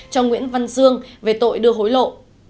cho nguyễn văn dương về tội đưa hối lộ